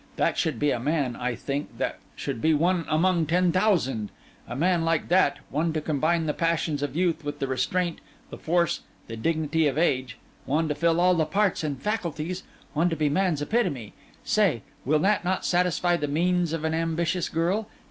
That should be a man, I think; that should be one among ten thousand. A man like that—one to combine the passions of youth with the restraint, the force, the dignity of age—one to fill all the parts and faculties, one to be man's epitome—say, will that not satisfy the needs of an ambitious girl?